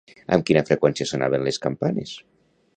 Amb quina freqüència sonaven les campanes?